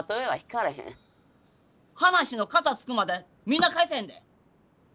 話の片つくまでみんな帰せへんで！